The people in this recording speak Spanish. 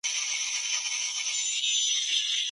Allí desarrolló su carrera profesional.